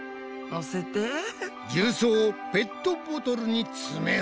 重曹をペットボトルに詰める。